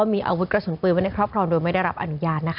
มันถึงจะสะสม